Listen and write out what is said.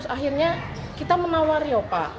akhirnya kita menawar ya pak